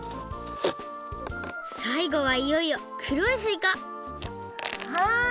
さいごはいよいよくろいすいかはい。